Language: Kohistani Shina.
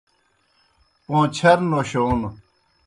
پوں چھر نوشون